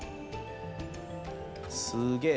すげえ！